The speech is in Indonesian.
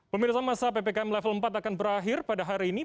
pemirsa masa ppkm level empat akan berakhir pada hari ini